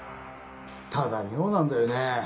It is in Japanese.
ただ妙なんだよね。